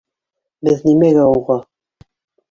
Беҙ нимәгә уға?